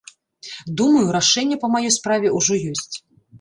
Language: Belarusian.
Думаю, рашэнне па маёй справе ўжо ёсць.